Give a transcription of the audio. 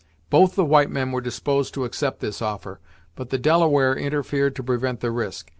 Both the white men were disposed to accept this offer, but the Delaware interfered to prevent the risk.